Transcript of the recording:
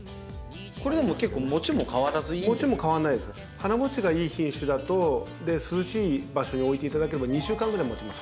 花もちがいい品種だと涼しい場所に置いていただければ２週間ぐらいもちます。